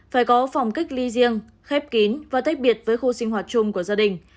phải có phòng cách ly riêng khép kín và tách biệt với khu sinh hoạt chung của gia đình